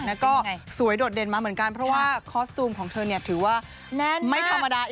แล้วก็สวยโดดเด่นมาเหมือนกันเพราะว่าคอสตูมของเธอเนี่ยถือว่าไม่ธรรมดา